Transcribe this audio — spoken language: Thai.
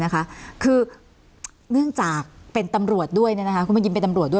คือเนื่องจากเป็นตำรวจด้วยคุณบัญญินเป็นตำรวจด้วย